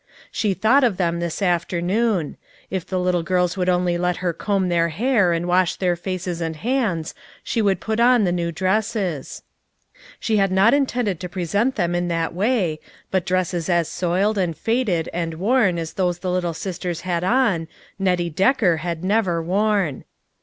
She thought of them this afternoon. If the little girls would only let her comb their hair and wash their faces and hands, she would put on the new dresses. She had not intended to present them in that way, but dresses as soiled and faded and worn as those the little sisters had on, Nettie Decker had never worn.